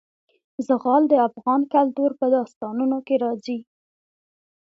زغال د افغان کلتور په داستانونو کې راځي.